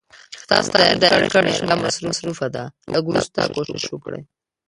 ستاسو ډائل کړې شمېره مصروفه ده، لږ وروسته کوشش وکړئ